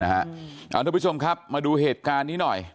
นะคะเอาละทุกผู้ชมครับมาดูเหตุการณ์นี้หน่อย